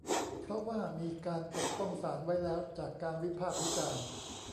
เพราะว่ามีการปกป้องศาลไว้แล้วจากการวิพากษ์วิจารณ์